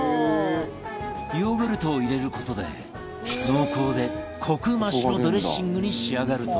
ヨーグルトを入れる事で濃厚でコク増しのドレッシングに仕上がるという